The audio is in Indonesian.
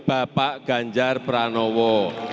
bapak ganjar pranowo